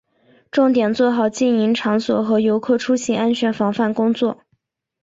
重点做好经营场所和游客出行安全防范工作